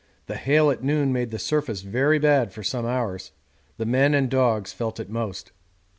The hail at noon made the surface very bad for some hours; the men and dogs felt it most.